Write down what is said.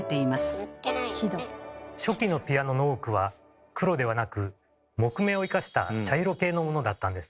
初期のピアノの多くは黒ではなく木目を生かした茶色系のものだったんです。